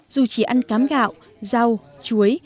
dù chỉ ăn cám gạo rau chuối